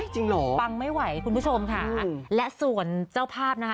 จริงเหรอปังไม่ไหวคุณผู้ชมค่ะและส่วนเจ้าภาพนะคะ